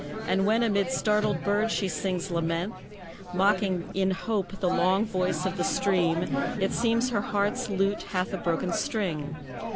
And when amid startled birds she sings lament, Mocking in hope the long voice of the stream, It seems her heart's lute hath a broken string.